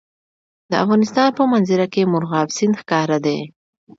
د افغانستان په منظره کې مورغاب سیند ښکاره دی.